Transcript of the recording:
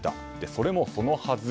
それもそのはず。